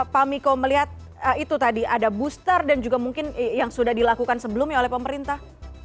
pak miko melihat itu tadi ada booster dan juga mungkin yang sudah dilakukan sebelumnya oleh pemerintah